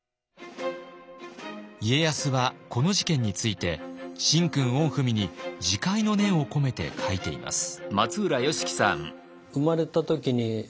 家康はこの事件について「神君御文」に自戒の念を込めて書いています。